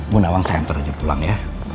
bu nawang saya minta rejep pulang ya